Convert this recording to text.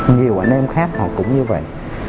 nhiều anh em khác họ cũng như vậy